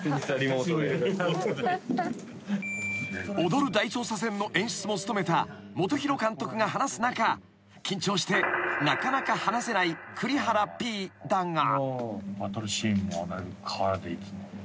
［『踊る大捜査線』の演出も務めた本広監督が話す中緊張してなかなか話せない栗原Ｐだが］